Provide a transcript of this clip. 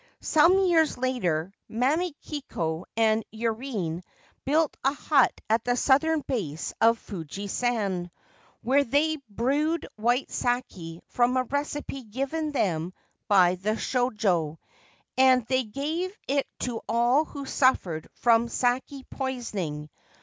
Some years later Mamikiko and Yurine built a hut at the southern base of Fuji San, where they brewed white sake from a recipe given them by the shojo, and they gave it to all who suffered from sake poisoning.